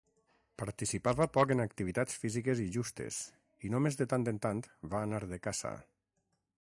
Participava poc en activitats físiques i justes, i només de tant en tant va anar de caça